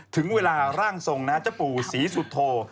ถึงเวลาร่างทรงนะครับเจ้าปู่สีสุดโท